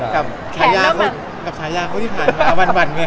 กับทายาเขาที่ผ่านมาบันเนี่ย